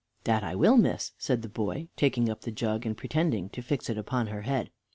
"That I will, miss," said the boy, taking up the jug, and pretending to fix it upon her head.